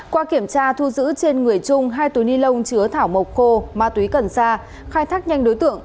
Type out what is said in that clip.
qua kiểm tra thu giữ trên người trung hai túi ni lông chứa thảo mộc khô ma túy cần sa khai thác nhanh đối tượng